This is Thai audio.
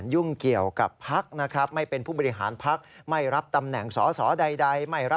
เดี๋ยวแชร์